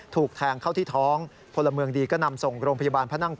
ถูกแทงเข้าที่ท้องพลเมืองดีก็นำส่งโรงพยาบาลพระนั่ง๙